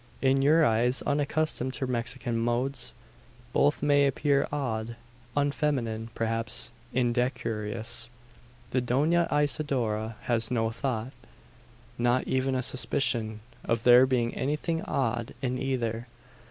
In your eyes, unaccustomed to Mexican modes, both may appear odd unfeminine perhaps indecorous. The Dona Isidora has no thought not even a suspicion of there being anything odd in either.